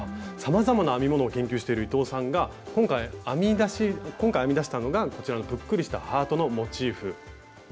さまざまな編み物を研究している伊藤さんが今回編み出したのがこちらのぷっくりしたハートのモチーフ。